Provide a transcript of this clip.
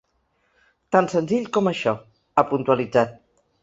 “Tan senzill com això”, ha puntualitzat.